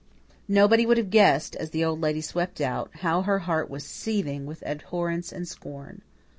Nobody would have guessed, as the Old Lady swept out, how her heart was seething with abhorrence and scorn.